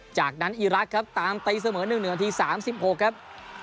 จากนั้นอีรักครับตามไตซะเหมือนหนึ่ง๑นาที๓๖ครับ